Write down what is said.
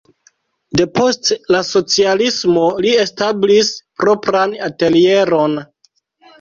Depost la socialismo li establis propran atelieron.